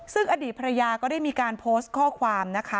ซึ่งอดีตภรรยาก็ได้มีการโพสต์ข้อความนะคะ